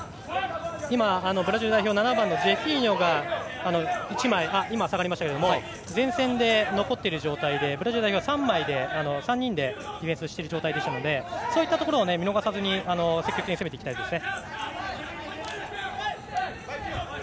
今、ブラジル代表７番のジェフィーニョが前線で残っている状態でブラジル代表は３人でディフェンスしている状態でしたのでそういったところを見逃さず攻めていきたいですね。